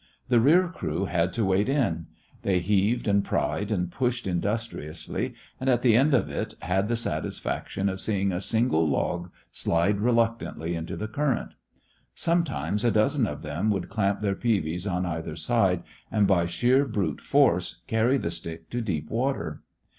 The rear crew had to wade in. They heaved and pried and pushed industriously, and at the end of it had the satisfaction of seeing a single log slide reluctantly into the current. Sometimes a dozen of them would clamp their peavies on either side, and by sheer brute force carry the stick to deep water.